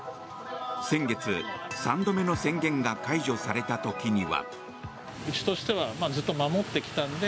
先月、３度目の宣言が解除された時には。